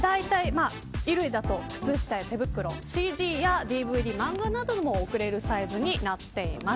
衣類だと靴下や手袋ＣＤやＤＶＤ、漫画なども送れるサイズです。